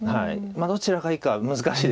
どちらがいいか難しいですよね。